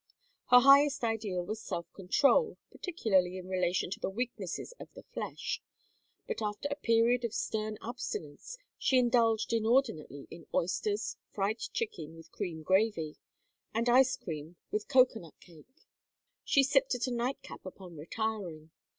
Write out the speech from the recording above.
Her highest ideal was self control, particularly in relation to the weaknesses of the flesh; but after a period of stern abstinence, she indulged inordinately in oysters, fried chicken with cream gravy, and ice cream with cocoanut cake; and sipped a night cap upon retiring.